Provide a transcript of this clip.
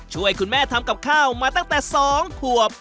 ช่วยคุณแม่ทำกับข้าวมาตั้งแต่๒ขวบ